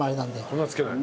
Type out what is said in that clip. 粉はつけない。